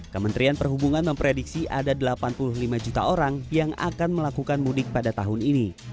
kementerian perhubungan memprediksi ada delapan puluh lima juta orang yang akan melakukan mudik pada tahun ini